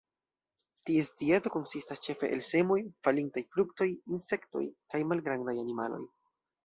Ties dieto konsistas ĉefe el semoj, falintaj fruktoj, insektoj kaj malgrandaj animaloj.